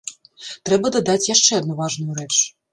Трэба дадаць яшчэ адну важную рэч.